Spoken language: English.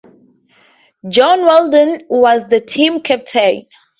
John Weldon was the team captain.